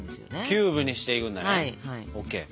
キューブにしていくんだね。ＯＫ。